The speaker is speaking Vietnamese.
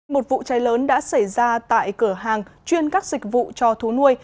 một vụ cháy lớn đã xảy ra tại cửa hàng chuyên các dịch vụ cho thú nuôi